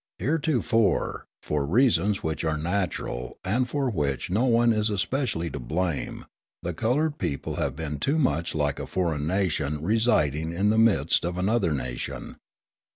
Heretofore, for reasons which were natural and for which no one is especially to blame, the coloured people have been too much like a foreign nation residing in the midst of another nation.